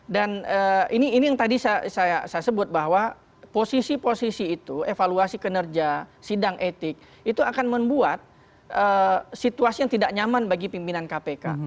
dan ini yang tadi saya sebut bahwa posisi posisi itu evaluasi kinerja sidang etik itu akan membuat situasi yang tidak nyaman bagi pimpinan kpk